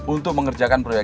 untuk mengerjakan perusahaan